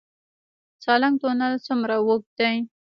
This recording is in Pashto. سالنګ تونل څومره اوږد دی؟